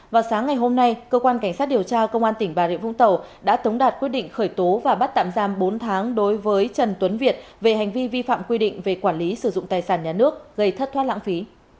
vào sáng ngày hôm nay cơ quan cảnh sát điều tra công an tỉnh bà rịa vũng tàu đã tống đạt quyết định khởi tố và bắt tạm giam bốn tháng đối với trần tuấn việt về hành vi vi phạm quy định về quản lý sử dụng tài sản nhà nước gây thất thoát lãng phí